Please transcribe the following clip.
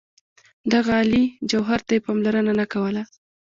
دغه عالي جوهر ته یې پاملرنه نه کوله.